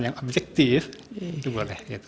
yang objektif itu boleh